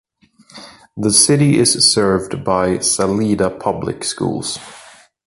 The city is served by Salida Public Schools.